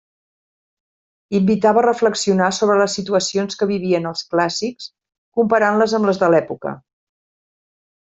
Invitava a reflexionar sobre les situacions que vivien els clàssics comparant-les amb les de l'època.